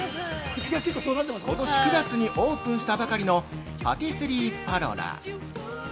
ことし９月にオープンしたばかりの「パティスリーパロラ」。